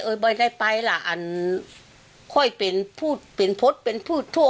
ไม่ได้ไปล่ะอันค่อยเป็นพูดเป็นพจน์เป็นพูดทั่ว